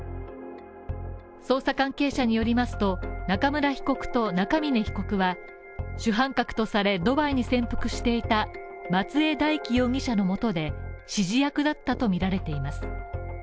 捜査関係者によりますと、中村被告と中峯被告は主犯格とされドバイに潜伏していた松江大樹容疑者のもとで指示役だったとみられています。